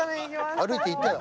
歩いていったよ。